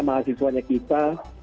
sebenarnya mahasiswanya kita